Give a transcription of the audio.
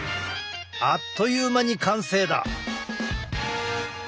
あっという間に完成だ。